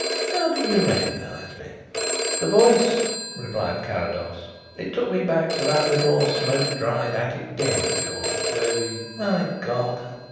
How did you recognize me?" "The voice," replied Carrados. "It took me back to that little smoke dried attic den of yours where we " "My God!"